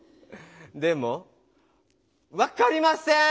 でも分かりません！